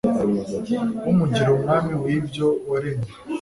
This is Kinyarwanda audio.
umugira umwami w’ibyo waremye